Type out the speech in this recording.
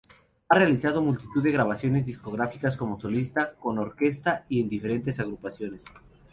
Ha realizado multitud de grabaciones discográficas, como solista, con orquesta y en diferentes agrupaciones.